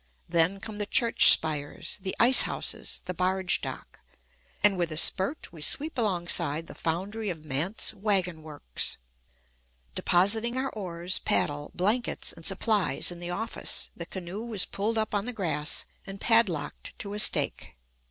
Then come the church spires, the ice houses, the barge dock, and with a spurt we sweep alongside the foundry of Mandt's wagon works. Depositing our oars, paddle, blankets, and supplies in the office, the canoe was pulled up on the grass and padlocked to a stake.